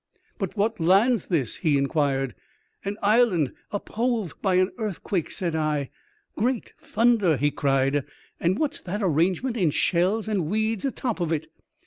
" But what land's this ?" he inquired. "An island uphove by an earthquake," said I. " Great thimder !" he cried. " And what's that arrangement in shells and weeds a top of it